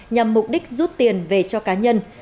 nhằm mục đích rút tiền về cho cá nhân